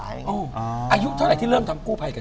อายุเท่าไหร่ที่เริ่มทำกู้ภัยกัน